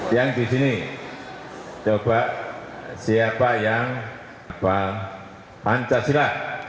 yang di sini coba siapa yang pancasila